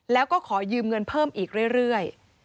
แล้วก็ขอยืมเงินเพิ่มอีกเรื่อย